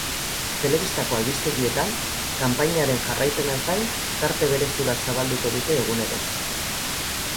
Telebistako albistegietan, kanpainaren jarraipenaz gain, tarte berezi bat zabalduko dute egunero.